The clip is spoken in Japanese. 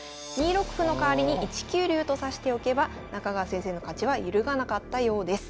２六歩の代わりに１九竜と指しておけば中川先生の勝ちは揺るがなかったようです。